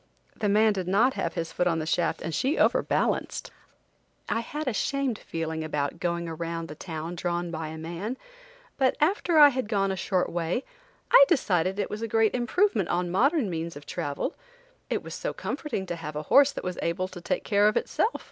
The man did not have his foot on the shaft and she overbalanced. I had a shamed feeling about going around the town drawn by a man, but after I had gone a short way, I decided it was a great improvement on modern means of travel; it was so comforting to have a horse that was able to take care of itself!